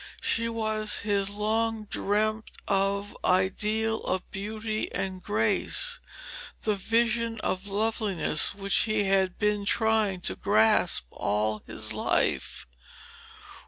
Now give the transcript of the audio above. She was his long dreamed of ideal of beauty and grace, the vision of loveliness which he had been trying to grasp all his life.